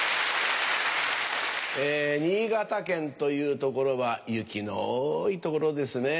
新潟県という所は雪の多い所ですね。